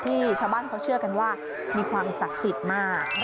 ชาวบ้านเขาเชื่อกันว่ามีความศักดิ์สิทธิ์มาก